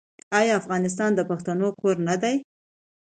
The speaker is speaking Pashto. آیا افغانستان د پښتنو کور نه دی؟